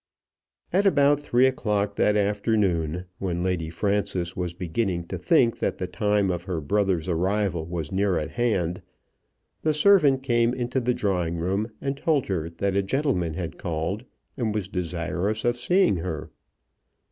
At about three o'clock that afternoon, when Lady Frances was beginning to think that the time of her brother's arrival was near at hand, the servant came into the drawing room, and told her that a gentleman had called, and was desirous of seeing her.